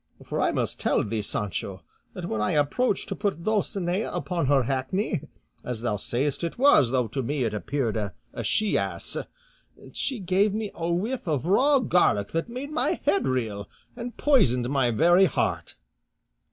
For I must tell thee, Sancho, that when I approached to put Dulcinea upon her hackney (as thou sayest it was, though to me it appeared a she ass), she gave me a whiff of raw garlic that made my head reel, and poisoned my very heart."